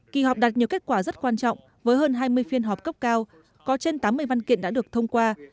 kỳ họp đạt nhiều kết quả rất quan trọng với hơn hai mươi phiên họp cấp cao có trên tám mươi văn kiện đã được thông qua